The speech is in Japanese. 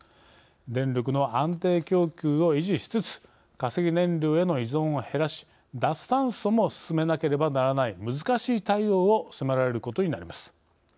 電力の安定供給を維持しつつ化石燃料への依存を減らし脱炭素も進めなければならない難しい対応を迫られることになります。